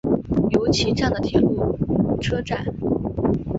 由岐站的铁路车站。